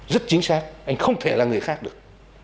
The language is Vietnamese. rất chính xác anh không thể là người khác được